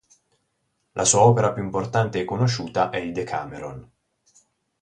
La sua opera più importante e conosciuta è il "Decameron".